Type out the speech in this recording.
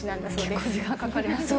結構時間かかりますね。